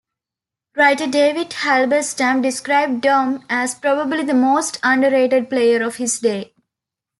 Writer David Halberstam described Dom as probably the most underrated player of his day.